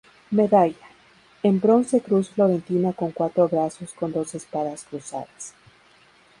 Medalla: En bronce cruz florentina con cuatro brazos con dos espadas cruzadas.